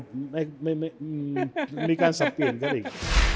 ไม่มีการสับเปลี่ยนกันอีก